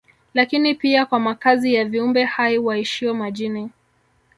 Lakini pia kwa makazi ya viumbe hai waishio majini